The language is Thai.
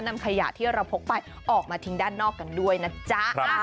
นำขยะที่เราพกไปออกมาทิ้งด้านนอกกันด้วยนะจ๊ะ